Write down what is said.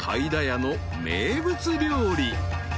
屋の名物料理］